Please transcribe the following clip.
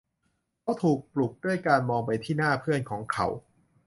เขาถูกปลุกด้วยการมองไปที่หน้าเพื่อนของเขา